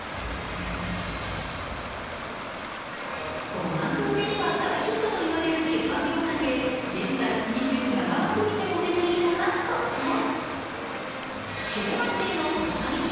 ５万部売れれば大ヒットと言われる出版業界で現在２７万部以上売れているのがこちら。